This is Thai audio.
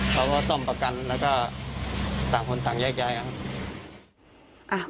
เขาก็ส่องประกันแล้วก็ตามผลทางแยกครับ